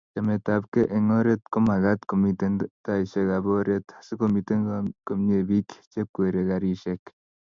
chametabgei eng oret komagaat komiten taishekab oret asigomite komnyei biik chekwerie karishek